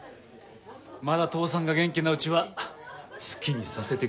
まだ父さんが元気なうちは好きにさせてください。